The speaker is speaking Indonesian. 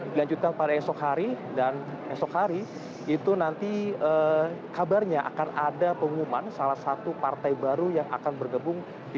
dilanjutkan pada esok hari dan esok hari itu nanti kabarnya akan ada pengumuman salah satu partai